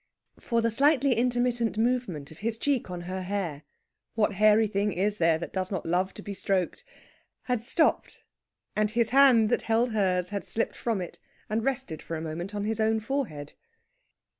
For the slightly intermittent movement of his cheek on her hair what hairy thing is there that does not love to be stroked? had stopped; and his hand that held hers had slipped from it, and rested for a moment on his own forehead.